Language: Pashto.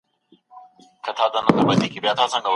ماشین توري په چټکۍ سره پرتله کوي.